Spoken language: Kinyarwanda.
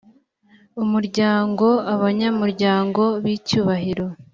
umuryango abanyamuryango b icyubahiro